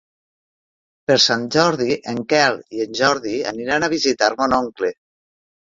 Per Sant Jordi en Quel i en Jordi aniran a visitar mon oncle.